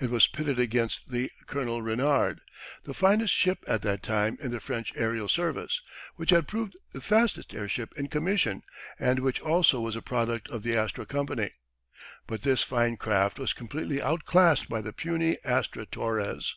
It was pitted against the "Colonel Renard," the finest ship at that time in the French aerial service, which had proved the fastest airship in commission, and which also was a product of the Astra Company. But this fine craft was completely outclassed by the puny Astra Torres.